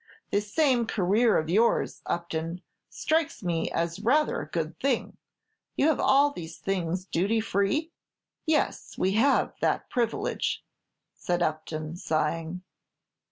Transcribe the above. This same career of yours, Upton, strikes me as rather a good thing. You have all these things duty free?" "Yes, we have that privilege," said Upton, sighing.